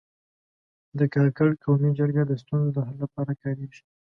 د کاکړ قومي جرګه د ستونزو د حل لپاره کارېږي.